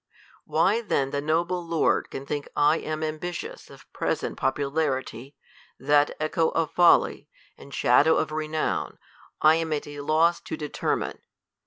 Why then the noble lord can think I am ambitious of present popularity, that echo of folly, and shadow of renown, I am at a loss to determine.